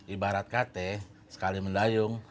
ibarat kt sekali mendayung